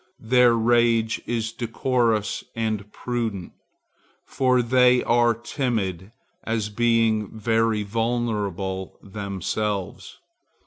Their rage is decorous and prudent, for they are timid, as being very vulnerable themselves.